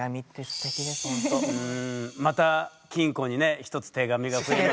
また金庫にね１つ手紙が増えて。